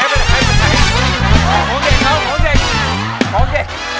คนเด็กครับคนเด็ก